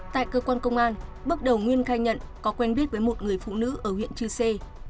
tại cơ quan công an bước đầu nguyên khai nhận có quen biết với một người phụ nữ ở huyện chư sê